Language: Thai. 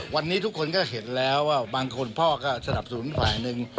วันนี้ทุกคนก็เห็นแล้วว่าบางคนพ่อก็สนับสนุนฝ่ายหนึ่ง